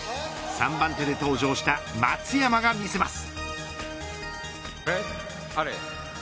３番手で登場した松山が見せます。